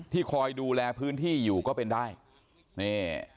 คอยดูแลพื้นที่อยู่ก็เป็นได้นี่